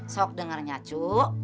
sok dengarnya cu